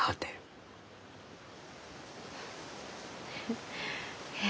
フッえ？